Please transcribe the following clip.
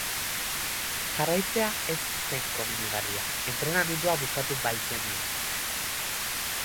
Jarraitzea ez zen komenigarria, entrenamendua bukatu baikenuen.